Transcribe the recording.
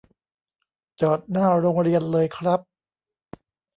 จอดหน้าโรงเรียนเลยครับ